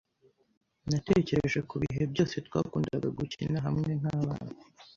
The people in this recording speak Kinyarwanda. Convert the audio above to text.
Natekereje kubihe byose twakundaga gukina hamwe nkabana.